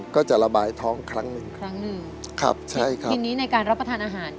ก็จะระบายท้องครั้งหนึ่งครั้งหนึ่งครับใช่ครับทีนี้ในการรับประทานอาหาร